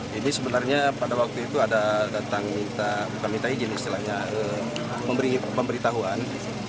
jadi sebenarnya pada waktu itu ada datang minta izin istilahnya memberi pemberitahuan